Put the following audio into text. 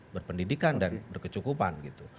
berpendidikan dan berkecukupan gitu